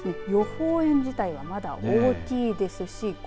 予報円自体はまだ大きいですし